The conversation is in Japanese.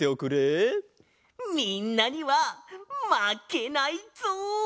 みんなにはまけないぞ！